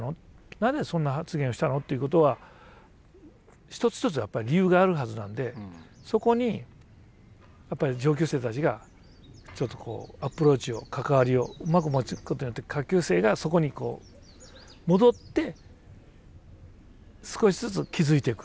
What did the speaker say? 「なぜそんな発言をしたの？」ということは一つ一つやっぱり理由があるはずなんでそこにやっぱり上級生たちがちょっとこうアプローチを関わりをうまく持つことによって下級生がそこに戻って少しずつ気付いていく。